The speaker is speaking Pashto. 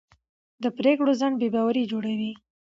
د پرېکړو ځنډ بې باوري جوړوي